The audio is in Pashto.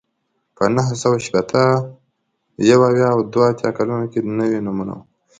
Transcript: په نهه سوه شپېته، یو اویا او دوه اتیا کلونو کې نوي نومونه وو